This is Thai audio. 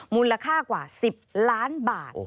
มูลค่ากว่า๑๐ล้านบาท